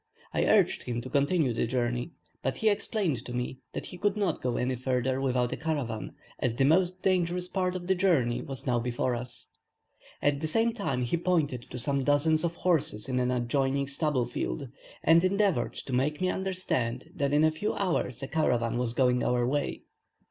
I urged him to continue the journey, but he explained to me that he could not go any further without a caravan, as the most dangerous part of the journey was now before us. At the same time he pointed to some dozens of horses in an adjoining stubble field, and endeavoured to make me understand that in a few hours a caravan was going our way.